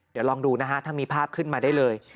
เดี๋ยวลองดูนะฮะถ้ามีภาพขึ้นมาได้เลย